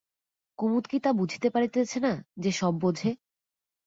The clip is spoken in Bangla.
কুমুদ কি তা বুঝিতে পারিতেছে না, যে সব বোঝে?